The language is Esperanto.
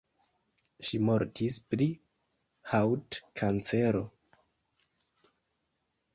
Ŝi mortis pri haŭt-kancero.